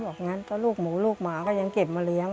งั้นก็ลูกหมูลูกหมาก็ยังเก็บมาเลี้ยง